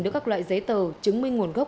đưa các loại giấy tờ chứng minh nguồn gốc